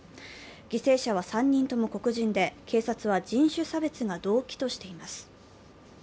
犠牲者は３人とも黒人で、警察は人種差別が動機としています。